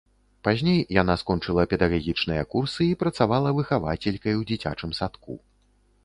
Пазней яна скончыла педагагічныя курсы і працавала выхавацелькай у дзіцячым садку.